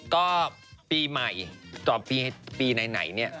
ก็ปีใหม่ต่อปีไหนเนี่ย